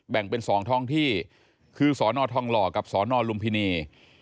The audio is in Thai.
แบ่งเป็น๒ท้องที่คือสนทองหล่อกับสนลุมพินี